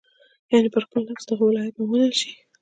یعنې پر خپل نفس د هغه ولایت ومنل شي.